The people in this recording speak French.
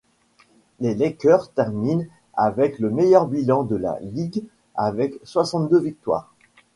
Les Lakers terminent avec le meilleur bilan de la ligue avec soixante-deux victoires.